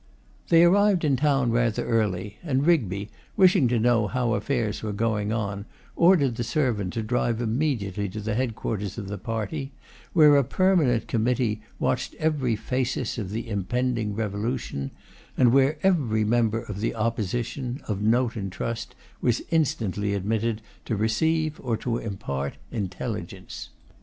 They arrived in town rather early; and Rigby, wishing to know how affairs were going on, ordered the servant to drive immediately to the head quarters of the party; where a permanent committee watched every phasis of the impending revolution; and where every member of the Opposition, of note and trust, was instantly admitted to receive or to impart intelligence.